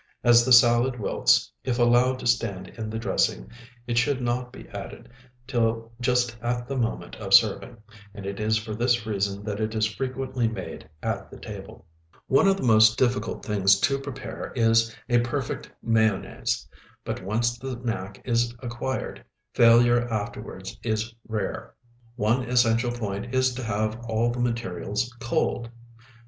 As the salad wilts if allowed to stand in the dressing, it should not be added till just at the moment of serving, and it is for this reason that it is frequently made at the table. One of the most difficult things to prepare is a perfect mayonnaise, but once the knack is acquired, failure afterwards is rare. One essential point is to have all the materials cold.